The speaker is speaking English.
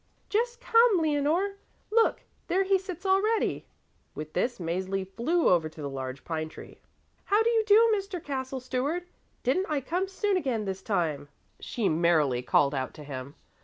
"Just come! Leonore. Look! there he sits already." With this Mäzli flew over to the large pine tree. "How do you do, Mr. Castle Steward! Didn't I come soon again, this time?" she merrily called out to him.